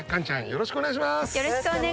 よろしくお願いします。